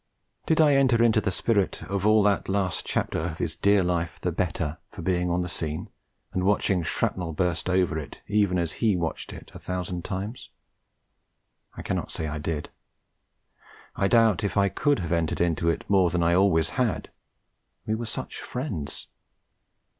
Did I enter into the spirit of all that last chapter of his dear life the better for being on the scene, and watching shrapnel burst over it even as he had watched it a thousand times? I cannot say I did. I doubt if I could have entered into it more than I always had ... we were such friends.